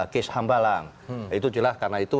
kes hambalang itu jelas karena itu